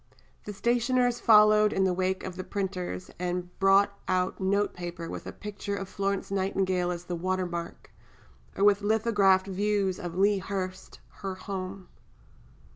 The stationers followed in the wake of the printers, and brought out note paper with a picture of Florence Nightingale as the water mark, or with lithographed views of "Lea Hurst, her home."